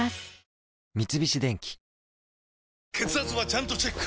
三菱電機血圧はちゃんとチェック！